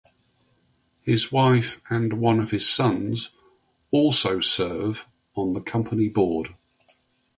His wife and one of his sons also serve on the company board.